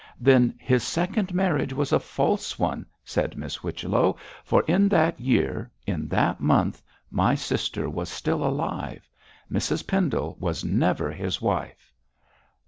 'Then his second marriage was a false one,' said Miss Whichello, 'for in that year, in that month, my sister was still alive. Mrs Pendle was never his wife.'